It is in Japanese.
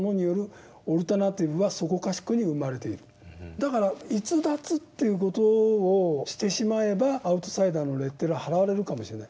だから逸脱という事をしてしまえばアウトサイダーのレッテルを貼られるかもしれない。